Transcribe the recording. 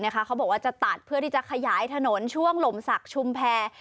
เขาบอกว่าจะตัดเพื่อที่จะขยายถนนช่วงหล่มศักดิ์ชุมแพร